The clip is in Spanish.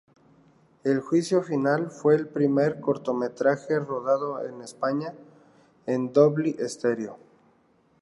El juicio final, fue el primer cortometraje rodado en España en Dolby Stereo.